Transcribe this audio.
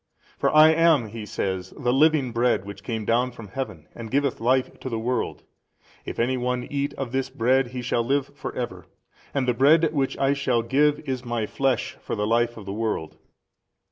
For I am (He says) the Living Bread Which came down from Heaven and giveth life to the world, if any one eat of this bread he shall |317 live for ever, and the bread which I shall give is My flesh for the life of the world.